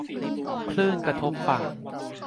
คลื่นกระทบฝั่ง